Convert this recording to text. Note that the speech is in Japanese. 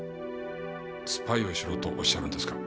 スパイをしろとおっしゃるんですか？